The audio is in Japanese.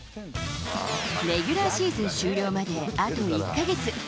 レギュラーシーズン終了まであと１か月。